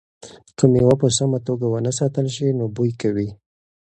که مېوه په سمه توګه ونه ساتل شي نو بوی کوي.